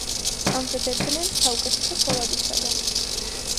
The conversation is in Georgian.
ამზადებდნენ საუკეთესო ფოლადისაგან.